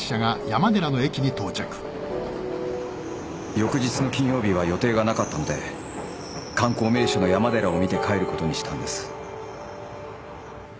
翌日の金曜日は予定がなかったので観光名所の山寺を見て帰ることにしたんです。